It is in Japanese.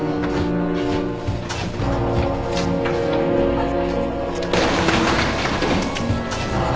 あっ！？